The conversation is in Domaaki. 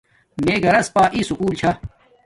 میے گھراس پا ای سُکول چھا